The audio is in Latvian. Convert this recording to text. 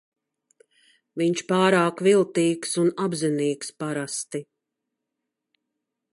Viņš pārāk viltīgs un apzinīgs parasti.